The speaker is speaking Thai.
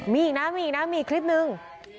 มีอีกคริปนึง